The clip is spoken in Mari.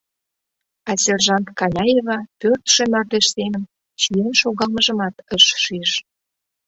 А сержант Каняева, пӧрдшӧ мардеж семын, чиен шогалмыжымат ыш шиж.